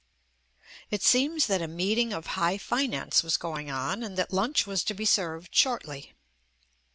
It seems that a meeting of high finance was going on and that lunch was to be served shortly.